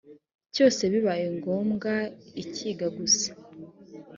cyose bibaye ngombwa ikiga gusa